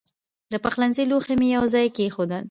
د پخلنځي لوښي مې یو ځای کېښودل.